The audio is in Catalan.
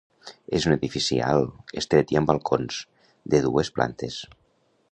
És un edifici alt, estret i amb balcons, de dues plantes.